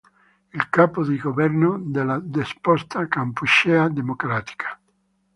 Il capo di governo della deposta Kampuchea Democratica.